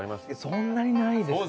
そんなにないですね。